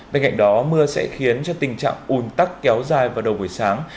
bên cạnh đó mưa sẽ khiến cho tình trạng ùn tắc kéo dài vào đầu buổi sáng